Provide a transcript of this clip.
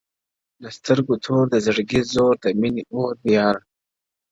د سترگو تور ، د زړگـــي زور، د ميني اوردی ياره،